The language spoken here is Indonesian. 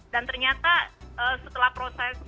dan ternyata setelah proses